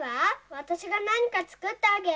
わたしがなにかつくってあげる。